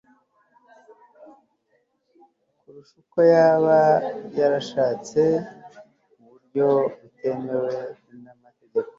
kurusha uko yaba yarashatse mu buryo butemewe n'amategeko